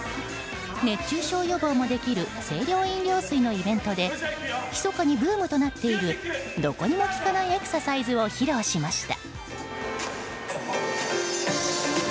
熱中症予防もできる清涼飲料水のイベントでひそかにブームとなっているどこにも効かないエクササイズを披露しました。